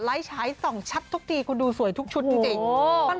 ฉายส่องชัดทุกทีคุณดูสวยทุกชุดจริง